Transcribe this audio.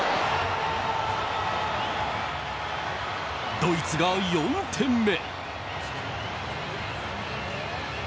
ドイツが４点目。